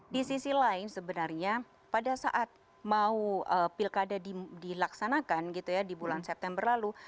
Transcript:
di sisi lain sebenarnya pada saat mau pilkada dilaksanakan gitu ya di bulan september lalu